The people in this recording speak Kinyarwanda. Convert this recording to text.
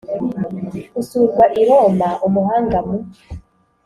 gusurwa i Roma Umuhanga mu